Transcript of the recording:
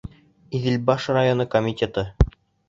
Иҙелбаш районы комитеты!